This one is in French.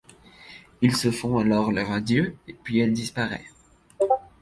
Ils se font alors leur adieux puis elle disparaît.